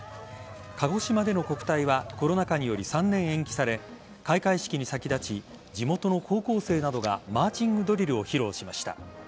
鹿児島での国体はコロナ禍により３年延期され開会式に先立ち地元の高校生などがマーチングドリルを披露しました。